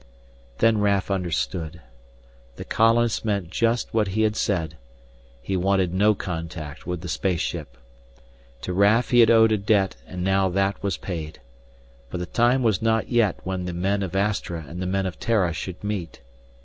Then Raf understood. The colonist meant just what he had said: he wanted no contact with the space ship. To Raf he had owed a debt and now that was paid. But the time was not yet when the men of Astra and the men of Terra should meet.